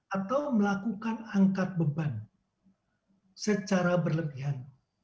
atau melakukan angkat beban secara berlebihan